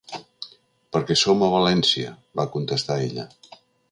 “Perquè som a València”, va contestar ella.